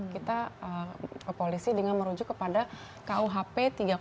kita ke polisi dengan merujuk kepada kuhp tiga